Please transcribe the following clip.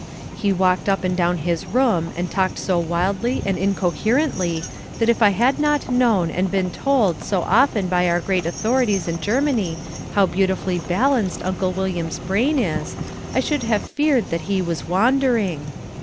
He walked up and down his room and talked so wildly and incoherently that if I had not known and been told so often by our greatest authorities in Germany how beautifully balanced Uncle William's brain is, I should have feared that he was wandering.